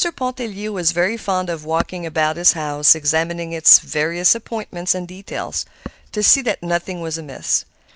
Pontellier was very fond of walking about his house examining its various appointments and details, to see that nothing was amiss.